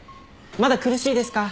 まだ苦しいですか？